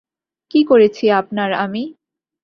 কী করেছি আপনার আমি?